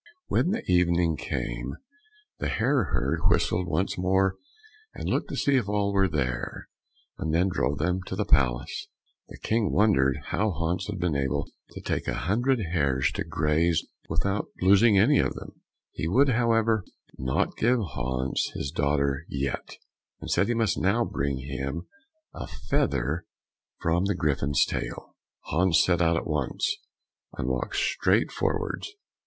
When the evening came the hare herd whistled once more, and looked to see if all were there, and then drove them to the palace. The King wondered how Hans had been able to take a hundred hares to graze without losing any of them; he would, however, not give him his daughter yet, and said he must now bring him a feather from the Griffin's tail. Hans set out at once, and walked straight forwards.